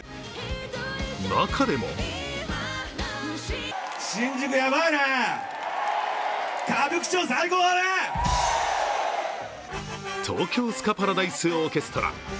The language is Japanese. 中でも東京スカパラダイスオーケストラ。